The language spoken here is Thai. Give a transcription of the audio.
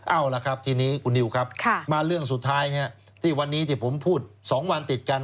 เอาล่ะครับทีนี้คุณนิวครับมาเรื่องสุดท้ายที่วันนี้ที่ผมพูด๒วันติดกัน